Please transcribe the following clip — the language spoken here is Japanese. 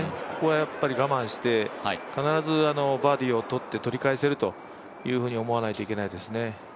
ここはやっぱり我慢して必ずバーディーをとって取り返せると思わないといけないですね。